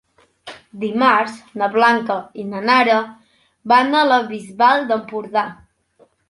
Dimarts na Blanca i na Nara van a la Bisbal d'Empordà.